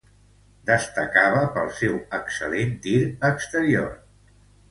Destacava pel seu excel·lent tir exterior.